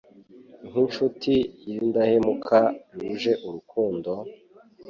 nk'inshuti y'indahemuka yuje urukundo;